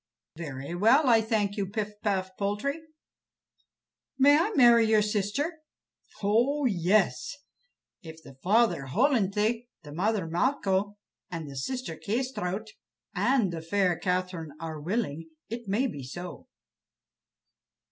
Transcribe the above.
"Very well, I thank you, Pif paf Poltrie." "May I marry your sister?" "Oh, yes! if the father Hollenthe, the mother Malcho, the sister Kâsetraut, and the fair Catherine are willing, it may be so."